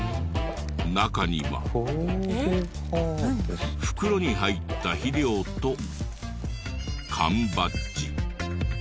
中には袋に入った肥料と缶バッジ。